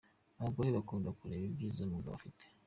Abagore bakunda kureba ibyiza umugabo afite.